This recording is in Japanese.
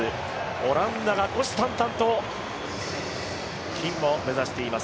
オランダが虎視眈々と金を目指しています。